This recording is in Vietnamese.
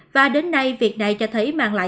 và đến nay việc này cho thấy mang lại